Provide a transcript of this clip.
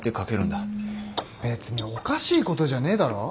別におかしいことじゃねえだろ。